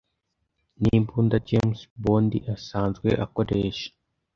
Nimbunda James Bond asanzwe akoresha